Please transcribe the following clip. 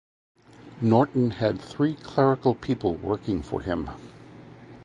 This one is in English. Norton had three clerical people working for him.